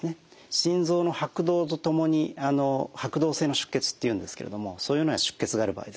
心臓の拍動とともに拍動性の出血っていうんですけれどもそういうような出血がある場合ですね